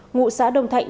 ngụ xã đông thạnh